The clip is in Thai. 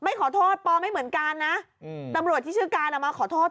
ไม่ขอโทษปอไม่เหมือนกันนะตำรวจที่ชื่อการเอามาขอโทษ